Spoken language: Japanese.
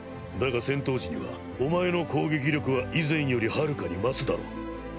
だが戦闘時にはお前の攻撃力は以前よりはるかに増すだろう。